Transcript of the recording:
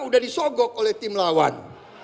sudah disogok oleh tim lawan